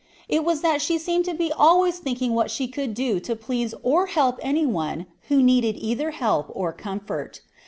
It was that she seemed to be always thinking what she could do to please or help any one who needed either help or comfort.